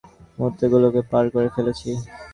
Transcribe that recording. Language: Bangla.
তোমার মতে আমার জীবনের সেরা মূহুর্তগুলোকে পার করে ফেলেছি?